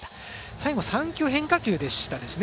最後３球、変化球でしたですね。